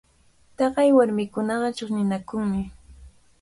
Taqay warmikunaqa chiqninakunmi.